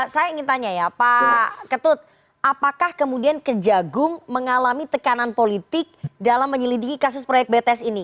saya ingin tanya ya pak ketut apakah kemudian kejagung mengalami tekanan politik dalam menyelidiki kasus proyek bts ini